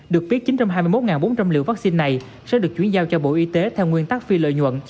được biết chín trăm hai mươi một bốn trăm linh liều vaccine này sẽ được chuyển giao cho bộ y tế theo nguyên tắc phi lợi nhuận